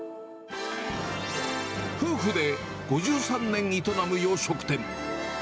夫婦で５３年営む洋食店。